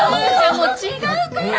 もう違うから！